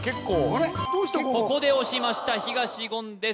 ここで押しました東言です